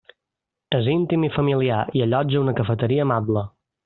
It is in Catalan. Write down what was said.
És íntim i familiar, i allotja una cafeteria amable.